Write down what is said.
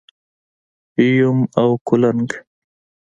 🪏 یوم او کولنګ⛏️